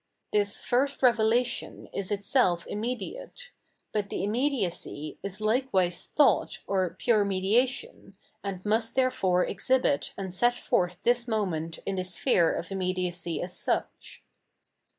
This first revelation is itself immediate; but the immediacy is likewise thought, or pure mediation, and must therefore exhibit and set forth this moment in the sphere of immediacy as such.